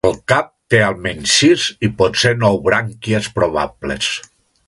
El cap te al menys sis i potser nou brànquies probables.